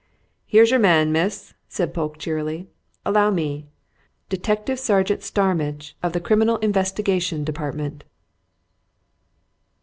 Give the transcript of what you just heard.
"Here's your man, miss!" said Polke cheerily. "Allow me Detective Sergeant Starmidge, of the Criminal Investigation Department."